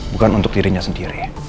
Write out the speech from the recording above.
bukan untuk dirinya sendiri